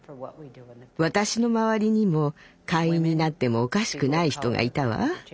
私の周りにも会員になってもおかしくない人がいたわ。